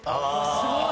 すごい！